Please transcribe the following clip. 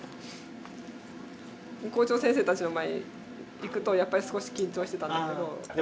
校長先生たちの前に行くとやっぱり少し緊張してたんだけど。